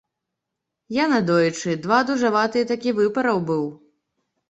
Я надоечы два дужаватыя такі выпараў быў.